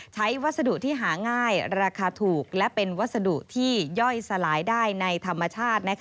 วัสดุที่หาง่ายราคาถูกและเป็นวัสดุที่ย่อยสลายได้ในธรรมชาติ